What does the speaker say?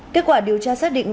kết quả điều tra xác định